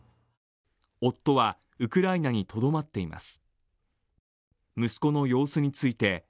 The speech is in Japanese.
夫は、ウクライナにとどまっています。